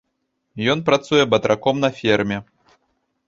Ён працуе батраком на ферме.